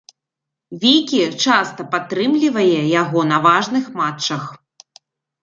Вікі часта падтрымлівае яго на важных матчах.